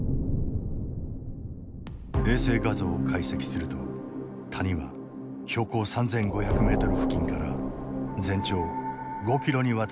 衛星画像を解析すると谷は標高３，５００ｍ付近から全長５ｋｍにわたって続く。